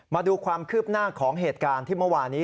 มาดูความคืบหน้าของเหตุการณ์ที่เมื่อวานี้